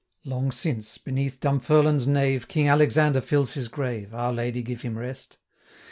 Long since, beneath Dunfermline's nave, King Alexander fills his grave, Our Lady give him rest!